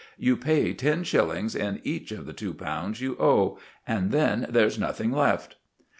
"You pay ten shillings in each of the two pounds you owed, and then there's nothing left."